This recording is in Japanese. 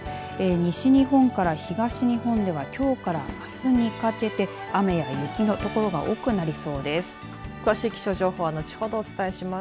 西日本から東日本ではきょうからあすにかけて雨や雪の所が多くなりそうです。